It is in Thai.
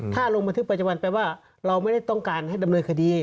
ถ้าลงบันทึกประจำวันแปลว่าเราไม่ได้ต้องการให้ดำเนินคดี